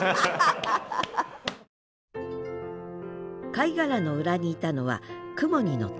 貝殻の裏にいたのは雲に乗った天使。